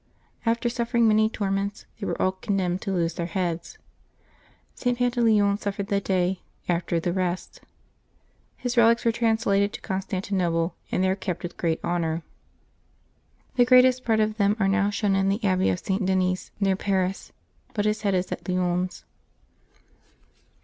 After suffering many torments, they were all condemned to lose their heads. St. Panta leon suffered the day after the rest. His relics were trans lated to Constantinople, and there kept with great honor. The greatest part of them are now shown in the abbey of St. Denys near Paris, but his head is at Lyons.